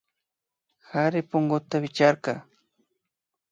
Kari punguta wichkarka